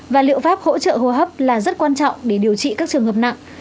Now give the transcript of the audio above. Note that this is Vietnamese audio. và liệu pháp hỗ trợ hô hấp là rất quan trọng để điều trị các trường hợp nặng